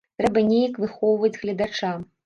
Трэба неяк выхоўваць гледача.